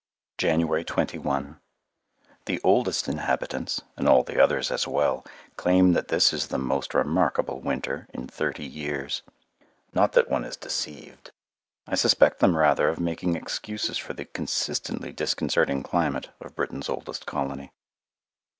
[Illustration: HE FROZE HIS TOE IN BED] January 21 The oldest inhabitants, and all the others as well, claim that this is the most remarkable winter in thirty years. Not that one is deceived. I suspect them rather of making excuses for the consistently disconcerting climate of Britain's oldest colony.